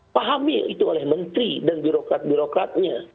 pahami itu oleh menteri dan birokrat birokratnya